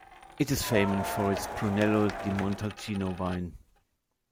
It is famous for its Brunello di Montalcino wine.